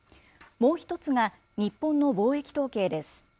もう一つが、日本の貿易統計です。